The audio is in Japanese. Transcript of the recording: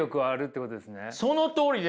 そのとおりですよ。